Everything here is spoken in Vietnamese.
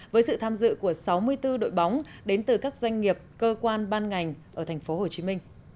với sự tham dự của sáu mươi bốn đội bóng đến từ các doanh nghiệp cơ quan ban ngành ở tp hcm